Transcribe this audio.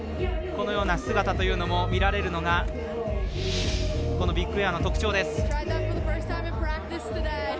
このような姿というのも見られるのがこのビッグエアの特徴です。